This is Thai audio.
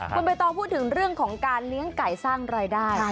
คุณใบตองพูดถึงเรื่องของการเลี้ยงไก่สร้างรายได้